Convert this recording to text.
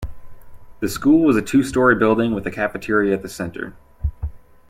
The school is a two-story building with a cafeteria at the center.